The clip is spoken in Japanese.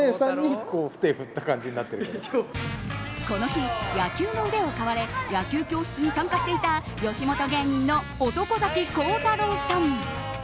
この日、野球の腕を買われ野球教室に参加していた吉本芸人の漢咲コータローさん。